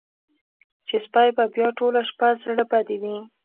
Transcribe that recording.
چې سپۍ به بیا ټوله شپه زړه بدې وي.